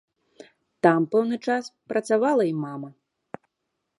Там пэўны час працавала і мама.